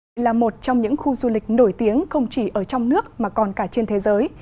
đây là một trong những khu du lịch nổi tiếng không chỉ ở trong nước mà còn cả trên thế giới